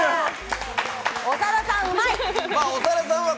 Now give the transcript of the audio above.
長田さん、うまい。